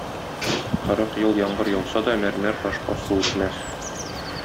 Кырык ел яңгыр яуса да, мәрмәр ташка су үтмәс.